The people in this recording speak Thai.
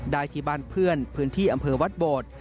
ที่บ้านเพื่อนพื้นที่อำเภอวัดโบด